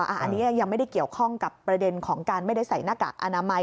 อันนี้ยังไม่ได้เกี่ยวข้องกับประเด็นของการไม่ได้ใส่หน้ากากอนามัย